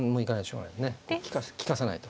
利かさないと。